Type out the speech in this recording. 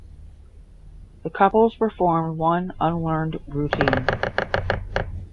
The couples performed one unlearned routine.